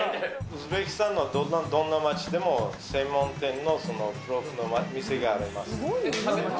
ウズベキスタンのどんな町でも、専門店のプロフの店があります。